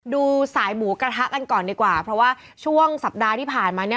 ดูสายหมูกระทะกันก่อนดีกว่าเพราะว่าช่วงสัปดาห์ที่ผ่านมาเนี่ย